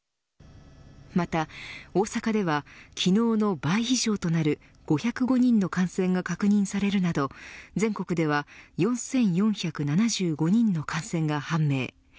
また大阪では昨日の倍以上となる５０５人の感染が確認されるなど全国では４４７５人の感染が判明。